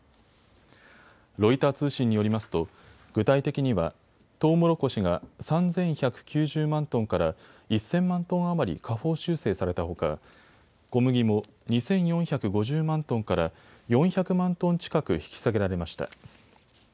ロイター通信によりますと具体的にはトウモロコシが３１９０万トンから１０００万トン余り下方修正されたほか小麦も２４５０万トンから４００万トン近く引き下げられました。